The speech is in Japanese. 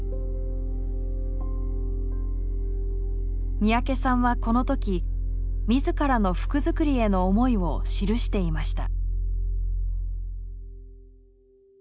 三宅さんはこのとき自らの服づくりへの思いを記していました。